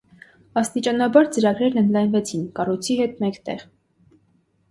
Աստիճանաբար ծրագրերն ընդլայնվեցին՝ կառույցի հետ մեկտեղ։